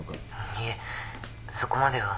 ☎いえそこまでは。